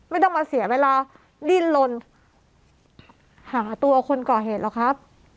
ไม่ต้องมาเสียเวลาดิ้นลนหาตัวคนก่อเหตุหรอกครับ